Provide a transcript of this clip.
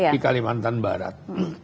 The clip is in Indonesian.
di kalimantan barat